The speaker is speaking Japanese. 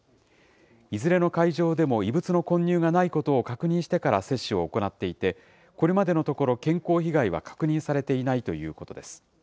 いずれの会場でも異物の混入がないことを確認してから接種を行っていて、これまでのところ健康被害は確認されていないということです。